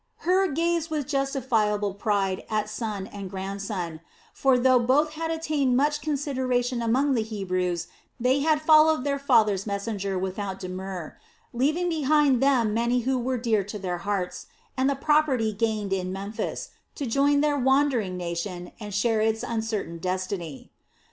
Hur gazed with justifiable pride at son and grandson; for though both had attained much consideration among the Egyptians they had followed their father's messenger without demur, leaving behind them many who were dear to their hearts, and the property gained in Memphis, to join their wandering nation and share its uncertain destiny.